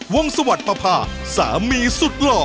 วงสวรรค์ประพาสามีสุดหล่อ